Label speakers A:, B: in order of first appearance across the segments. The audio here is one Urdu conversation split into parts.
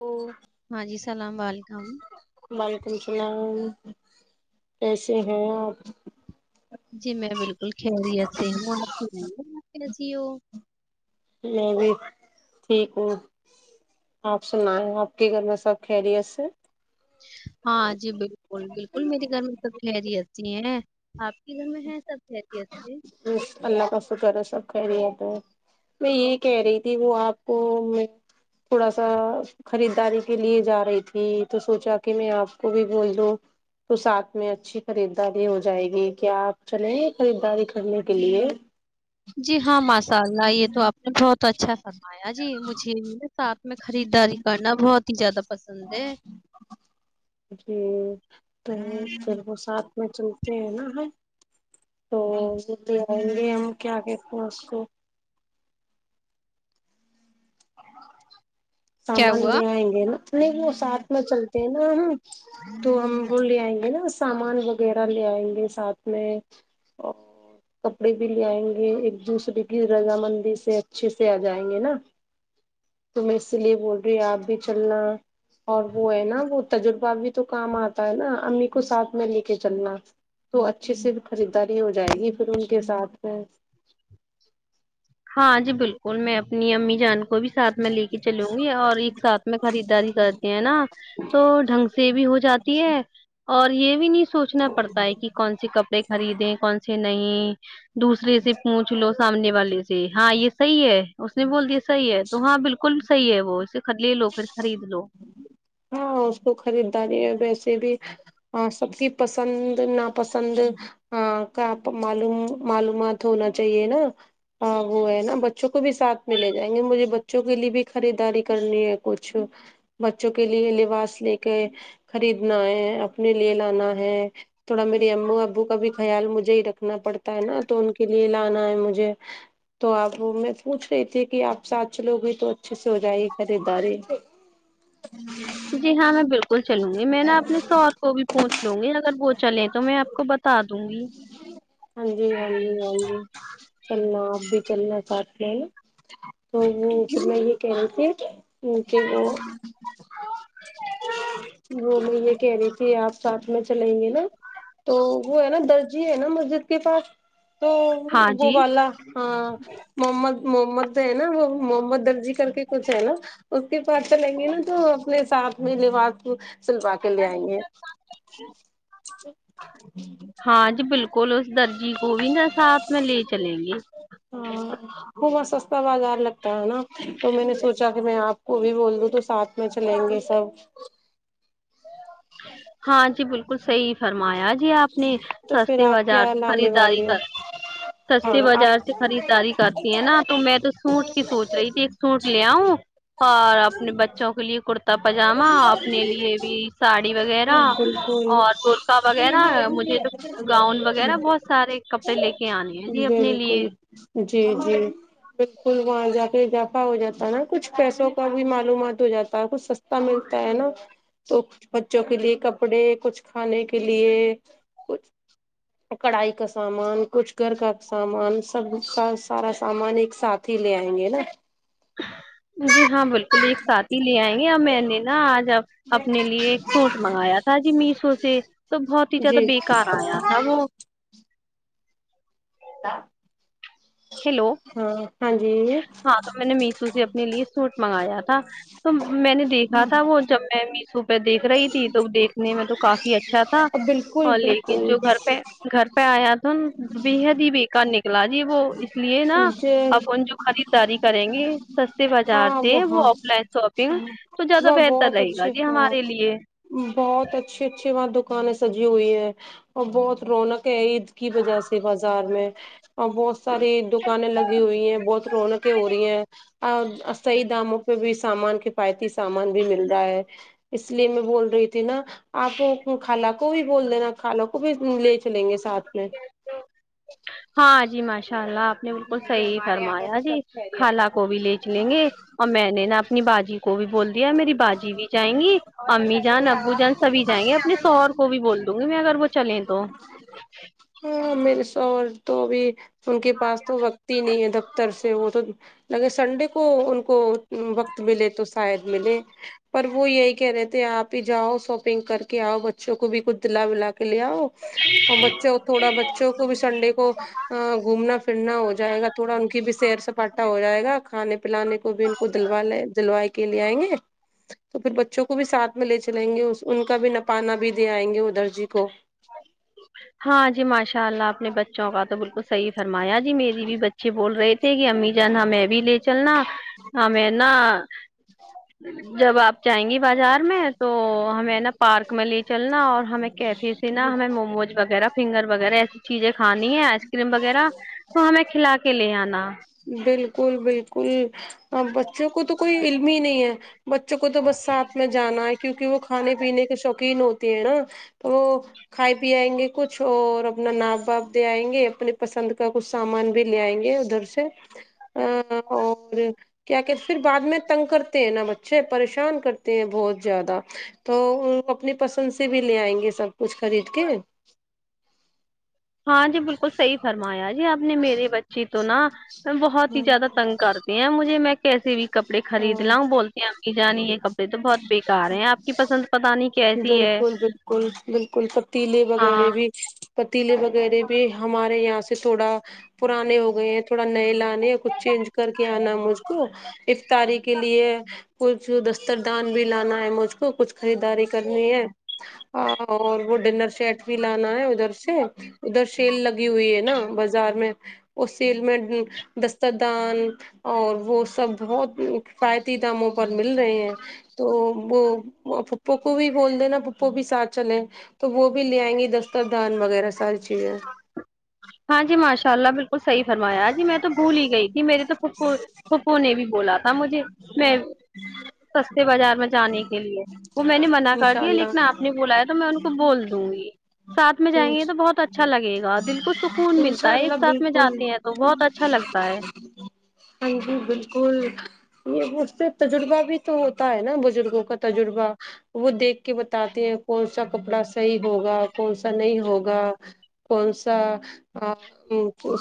A: او
B: ہاں جی سلام وعلیکم
A: وعلیکم سلام ایسے ہیں آپ
B: جی میں بالکل خیریت سے ہوں آپ جیو [unintelligible]
A: میں بھی ٹھیک ہوں آپ سنا ہے آپ کے گھر میں سب کیریت سے
B: ہاں جی بالکل بالکل میرے گھر میں سب خیری اسی ہیں آپ کے گھر میں ہیں سب گس سے
A: اللہ کا شکر ہے سب کہہ رہیا تھا میں یہی کہہ رہی تھی وہ آپ کو میں تھوڑا سا خریدداری کے لیے جا رہی تھی تو سوچا کہ میں آپ کو بھی بول دوں تو ساتھ میں اچھی خریداری ہو جائے گی کیا آپ چلیں گے خریداری کرنے کے لیے
B: جی ہاں ماسالءلہ یہ تو آپ نے بہت اچھا فرمایا جی مجھے ساتھ میں خریداری کرنا بہت ہی زیادہ پسند ہے
A: جی تو پھر وہ ساتھ میں چلتے ہیں نا تو لے ہم کیا کہتےتے ہیں اس کو
B: کیا
A: سامان
B: ہوا
A: لے آئیں گے نا نہیں وہ ساتھ میں چلتے ہیں نا تو ہم وہ لے آئیں گے نا سامان وغیرہ لے آئیں گے ساتھ میں اور کپڑے بھی لے آئیں گے ایک دوسرے کی رض مندی سے اچھے سے آ جائیں گے نا تو میں اسی لیے بول رہی آپ بھی چلنا اور وہ ہے نا وہ تجربہ بھی تو کام آتا ہے نا امی کو ساتھ میں لے کے چلنا تو اچھے سے خریداری ہو جائے گی پھر ان کے ساتھ میں
B: ہاں جی بالکل میں اپنی امی جان کو بھی ساتھ میں لے کے چلوں گی اور ایک ساتھ میں خریدداری کرتے ہیں نا تو ڈھنگ سے بھی ہو جاتی ہے اور یہ بھی نہیں سوچنا پڑتا ہے کہ کون سے کپڑے خریدیں کون سے [unintelligible] نہیں دوسرے سے پوچھ لو سامنے والے سے جی ہاں یہ صحیح ہے اس نے بول دیا صحیح ہے تو ہاں بالکل صحیح ہے وہ اسے لے لو پھر خرید لو
A: ہاں اس کو خریداری ہے ویسے بھی سب کی پسند ناپسند کا معلوم معلومات ہونا چاہیے نا وہ ہے نا بچوں کو بھی ساتھ میں لے جائیں گے مجھے بچوں کے لیے بھی خریداری کرنی ہے کچھ بچوں کے لیے لباس لے کے خریدنا ہے اپنے لیے لانا ہے تھوڑا میے او ابو کا بھی خیال مجھے ہی رکھنا پڑتا ہے نا تو ان کے لیے لانا ہے مجھے تو آپ میں پوچھ رہے تھے کہ آپ ساتچھے لگ ہیں تو سے ہو جائے گی خریداری
B: جی ہاں میں بالکل چلوں گی میں نا اپنے سور کو بھی پوچھ لوں گی اگر وہ چلیں تو میں آپ کو بتا دوں گی
A: ہاں جی ہاں جی ہاں جی چلنا آپ بھی چلنا چ جی تو وہ میں کہ رہی تھی کیک وہ وہ میں یہ کہہ رہی تھی آپ ساتھ میں چلیں گے نا تو وہ ہے نا درجی ہے نا مسجد کے پاس تو
B: ہاں
A: وہ
B: جی
A: والا ہاں محمد جو ہے نا وہ محمد درجی کر کے کچھ ہے نا اس کے پاس چلیں گے نا تو اپنے ساتھ میں لباس سلوا کے لے آئیں گے
B: کو اس درجی کو بھی نسا آپ میں لے چلیں گے
A: کا بازار لگتا ہے نا تو میں نے سوچا کہ میں آپ کو بھی بول دوں تو ساتھ میں چلیں گے سب
B: ہاں جی بالکل صحی فرمایا جی آپ نے
A: تو پھر
B: سستے
A: آپ
B: والے بار
A: کیا
B: سے
A: لانے
B: خریداری
A: والے ہو
B: کر سستے
A: ہاں آپ
B: بازار سے خریداری کرتی ہے نا تو میں تو سوٹ کی سوچ رہی تھی ایک سوٹ لے آؤں اور اپنے بچوں کے لیے کرتا پجامہ اپنے لیے بھی ساڑی وغیرہ
A: ہاں بالکل
B: اور گولکا وغیرہ مجھے تو گاؤں وغیرہ بہت سارے کپڑے لے کے آنے ہیں جی اپنے لیے
A: بالکل جی جی بالکل وہاں جا کے اضافہ ہو جاتا ہے نا کچھ پیسوں کا بھی معلومات ہو جاتا ہے کچھ سستا ملتا ہے نا تو کچ بچوں کے لیے کپڑے کچھ کھانے کے لیے کچھ کڑھائی کا سامان کچھ گھر کا سامان سب سارا سامان ایک ساتھ ہی لے آئیں گے نا
B: جی ہاں بالکل ایک ساتھی لے آئیں گے ا میں نے نا آج اب اپنے لیے ایک سوٹ منگایا تھا جی میشو سے تو بہت ہی زیادہ
A: جی
B: بےکار آیا تھا وہ ہیلو
A: [inaudible] ہاں جی
B: ہاں تو میں نے میشو سے اپنے لیے سوٹ منگایا تھا تو میں نے دیکھا تھا وہ جب میں میشو پہ دیکھ رہی تھی تو دیکھنے میں تو کافی اچھا تھا
A: بالکل
B: اور لیکن
A: بالکل
B: جو گھر پہ گھر پہ آیا تھا نا بے حد ہی بےیکار نکلا جی وہ اس لیے نا
A: جی
B: اب ان جو خریدداری کریں گے سستے بازار
A: ہاں
B: سے وہ
A: ہاں
B: آف لائن شاپنگ تو زیادہ
A: وہ
B: بہتر رہے گا جی ہمارے لیے
A: بہت اچھے اچھے دکانیں سجی ہوئی ہے اور بہت رونق ہے عید کی وجہ سے بازار میں اور بہت ساری دکانیں لگی ہوئی ہیں بہت رونقیں ہو رہی ہیں اور صحیح داموں پہ بھی سامان کفایتی سامان بھی مل رہا ہے اس لیے میں بول رہی تھی نا آپ خالہ کو بھی بول دینا خالہ کو بھی لے چلیں گے ساتھ میں
B: ہاں جی ماش ان شاء اللہ آپ نے بالکل صحی فرمایا جی خالہ کو بھی لچ لیں گے اور میں نے نا اپنی باجی کو بھی بول یا میری باجی بھی جائیں گی امی جان ابو جان سبھی جائیں گے اپنے سوہر کو بھی بول دوں گی میں اگر وہ چلیں دو
A: میرے سور تو بھی ان کے پاس تو وقت ہی نہیں ہے دفتر وہ تو لگے سنڈے کو ان کو وقت ملے تو شاید ملے پر وہ یہی کہہ رہے تھے آپ ہی جاؤ شاپنگ کر کے آؤ بچوں کو بھی کچھ دلا ولا لے آؤ اور بچوں تھوڑا بچوں کو بھی سنڈے کو گھومنا پھرنا ہو جائے گا تھوڑا ان کی بھی سیر سپاٹا ہو جائے گا کھانے پانے کو بھی ان کو دلوا لے دلو کے کے لے آئیں گے تو پھر بچوں کو بھی سھ میں لے چلائیں گے ان کا بھی نپانا بھی دے آئیں گے ادھر جی کو
B: ہاں جی ماشاء اللہ آپ نے بچوں کا تو بالکل صحیح فرمایا جی میری بھی بچے بول رہے تھ گی امی جان ہمیں بھی لے چلنا ہمیں نہا جب آپ جائیں گی بازار میں تو ہمیں نا پارک میں لی چلنا اور ہمیں کیفے سینا ہمیں مومو وغیرہ فنگر وغیرہ ایسی چیزیں کھانی ہے آئس کریم وغیرہ تو ہمیں کھلا کے لے آنا
A: کوئی بچوں کو تو کوئی علم ہی نہیں ہے بچوں کو تو بس ساتھ میں جانا ہے کیونکہ وہ کھانے پینے کے شوقین ہوتے ہیں نا تو وہ کھائی پ آئیں گے کچھ اور اپنا ناپ باپ دے آئیں گے اپنی پسند کا کچھ سامان بھی لے آئیں گے ادھر سے اور کیا کہتے پھر بعد میں تنگ کرتے ہیں نا بچے پریشان کرتے ہیں بہت زیادہ تو اپنی پسند سے بھی لے آئیں گے سب کچھ خرید کے
B: ہاں جی بالکل صحی فرمایا جی آپ نے میری بچی تو نہا بہت ہی
A: ہاں
B: زیادہ تگ کرتے ہیں مجھے میں کیسے بھی کپڑے خرید
A: ہاں
B: لا ہوں بولتے ہیں ابنی جانی یہ ک تو بہت بےیکار ہے آپ کی پسند پتہ نہیں کیسی ہے
A: بالکل بالکل بالکل پتیلے
B: ہاں
A: وغیرہ بھی پتیلے وغیرہ بھی ہمارے یہاں سے تھوڑا پرانے ہو گئے ہیں تھوڑا نئے لان کچھ چینج کر کے آنا مجھ کو افطاری کے لیے کچھ دستردان بھی لانا ہے مجھ کو کچھ خریداری کر ہے اور وہ ڈنر سیٹ بھی لانا ہے ادھر سے ادھر سیل لگی ہوئی ہے نا بازار میں اس سیل میں دست دان اور وہ سب بہت کفایتی داموں پر مل رہے ہیں تو وہ پپ پپو بھی بول د نا پپو بھی ساتھ چلے تو وہ بھی لے آئیں گی دستر دان وغیرہ ساری چیزیں
B: ہاں جی ماش شاء اللہ بالکل صحی فرمایا جی میں تو بھول ہی گئی تھی میرے تو پھو پھپھو نے بھی بولا تھا مجھے میں سستے بازار میں جانے کے لیے وہ میں نے منع کر
A: انشاء
B: دیا
A: اللہ
B: لیکن آپ نے بلایا تو میں ان کو بول دوں گی ساتھ میں جائیں گے تو بہت اچھا لگے گا دل کو سکھ
A: انشاء اللہ بالکل
B: اچھا لگتا ہے
A: ہاں جی بالکل یہ اس سے تجربہ بھی تو ہوتا ہے نا بزرگوں کا تجربہ وہ دیکھ کے بتاتے ہیں کون سا کپڑا صحیح ہوگا کون سا نہیں ہوگا کون سا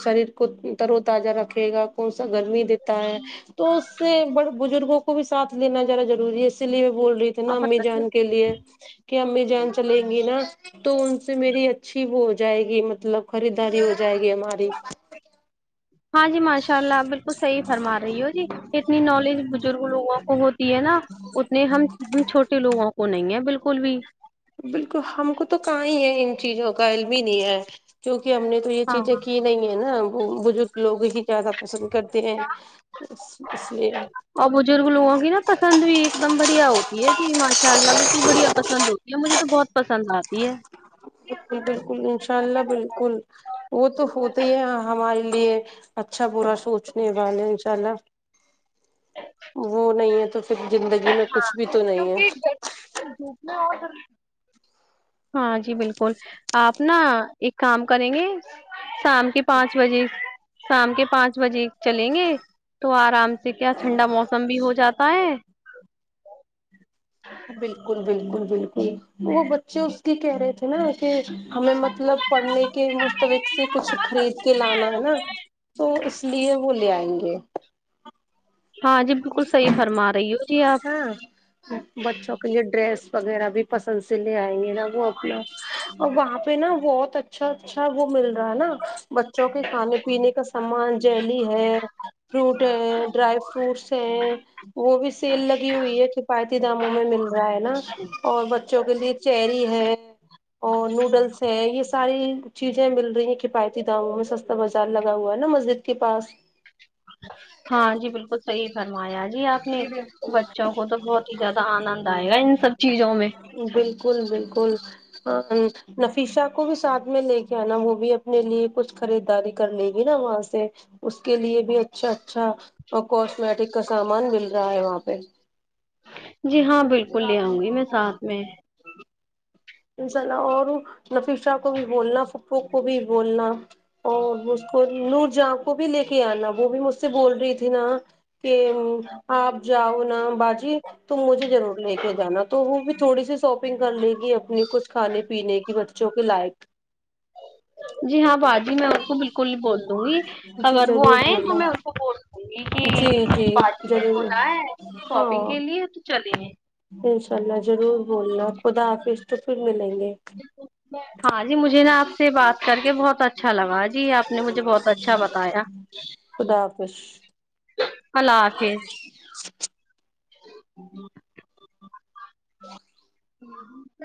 A: شریر کو تر و تازہ رکھے گا کون سا گرمی دیتا ہے تو اس سے بڑے بزرگوں کو بھی ساتھ لینا جیادا ضروری ہے اسی لیے بول رہی تھی نا امی جان کے لیے کہ کہ امی جان چلیں گی نا تو ان سے میری اچھی وہ ہو جائے گی مطلب خریداری ہو جائے گی ہماری
B: ہاں جی ماشاء اللہ آپ بالکل صحیح فرما رہی ہو جی اتنی نالج بزرگ لوگوں کو ہوتی ہے نا اتنے ہم چھوٹے لوگوں کو نہیں ہے بالکل بھی
A: بالکل ہم کو تو کہاں ہی ہے ان چیزوں کا علم ہی نہیں ہے کیوںکہ ہم نے تو یہ
B: ہاں
A: چیزیں کی نہیں ہے نا وہ بزرگ لوگ ہی زیادہ پسند کرتے ہیں اس لیے
B: اور بزرگ لوگوں کی نا پسند بھی ایک دم بڑھیا ہوتی ہے جی ماشاء اللہ بالکل بڑھیا پسند ہوتی ہے مجھے تو بہت پسند آتی ہے
A: بالکل بالکل انشاء اللہ بالکل ہمے لیے اچھا با سوچنے والے چلا وہ نہیں ہے تو زندگی میں کچھ بھی تو نہیں ہے
B: ن ہاں جی بالکل آپ نا ایک کام کریں گے شام کے پانچ بجے شام کے پانچ بجے چلیں گے تو آرام سے کیا ٹھنڈا موسم بھی ہو جاتا ہے
A: بالکل بالکل بالکل وہ بچے اس کی کہہ رہے تھے نا کہ ہمیں مطلب پڑھنے کے مستبق سے کچھ خرید کے لانا ہے نا تو اس لیے وہ لے آئیں گے
B: ہاں جی بالکل صحیح فرما رہی ہو جی آپ
A: ہاں بچوں کے لیے ڈریس وغیرہ بھی پسند سے لے آئیں گے نا وہ اپناگ اور وہاں پہ نا بہت اچھا اچھا اچھا وہ مل رہا ہے نا بچوں کے کھانے پینے کا سامان جیلی ہے فروٹ ہے ڈرائی فروٹس وہ بھی سیل لگی ہوئی ہے کفایتی داموں میں مل ہو ہے نا اور بچوں کے لیے چیری ہے اور نوڈلس ہے یہ ساری چیزیں مل رہی ہیں کفایتی دااموں میں سستا بازار لگا ہوا ہے نا مسجد کے پاس
B: ہاں جی بالکل صحی فرمایا جی آپ نے بچوں کو تو بہت ہی زیادہ آنند
A: ہوں
B: آئے گا ان سب چیزوں میں
A: ہ نفیشا کو بھی ساتھ میں لے کے آناا وہ بھی اپنے لیے کچھ خریداری کر لے گی نا وہاں سے اس کے لیے بھی اچھا اچھا کوسمیٹک کا سامان مل رہا ہے وہاں پہ
B: جی ہاں بالکل لے آؤں گی میں ساتھ میں
A: انشاء اللہ اور نفی شاہ کو بھی بولنا فپو کو بھی بولنا اور اس کو ن جا کو بھی لے کے آنا وہ بھی مجھ سے بول رہی تھی نا کہ آپ جاؤ نا باجی تو مجھے ضرور لے کے جانا تو وہ بھی تھوڑی سی شاپنگ کر لے گی اب اپنے کچھ کھانے پینے کے بچوں کے لائق
B: جی ہاں باجی میں ان کو بالکل بول دوں گی
A: جی
B: اگر وہ
A: ضرور
B: آئے تو
A: بولنا
B: میں ان کو بول دوں گی کہ
A: جی جی
B: باجی کو
A: ضرور
B: ک آئے شاپنگ کے لیے تو چلے ہیں
A: کرنا ضرور بولنا خدا آف تو پھر مل گی
B: ہاں جی مجھے نا آپ سے بات کر کے بہت اچھا لگا جی آپ نے مجھے بہت اچھا بتایا اللہ حافظ
A: ج ہوں
B: ہ